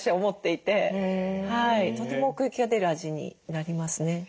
とても奥行きが出る味になりますね。